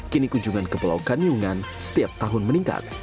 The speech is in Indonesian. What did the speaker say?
kini kunjungan ke pulau kanyungan setiap tahun meningkat